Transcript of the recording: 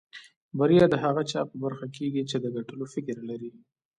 بريا د هغه چا په برخه کېږي چې د ګټلو فکر لري.